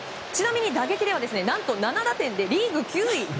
ちなみに打撃では７打点でリーグ９位。